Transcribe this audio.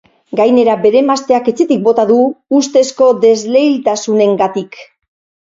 Gainera, bere emazteak etxetik bota du, ustezko desleiltasunengatik.